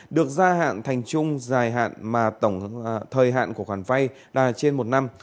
được gia hạn thành chung dài hạn mà tổng thời hạn của khoản vay là trên một năm